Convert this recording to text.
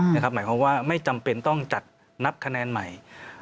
หมายความว่าไม่จำเป็นต้องจัดนับคะแนนใหม่